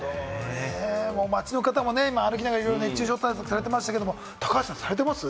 街の方もね、歩きながらいろいろ熱中症対策されてましたけれども、高橋さん、されてます？